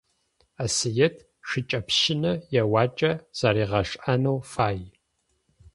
Асыет шыкӀэпщынэ еуакӀэ зэригъэшӀэнэу фай.